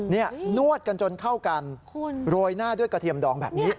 นี่นวดกันจนเข้ากันโรยหน้าด้วยกระเทียมดองแบบนี้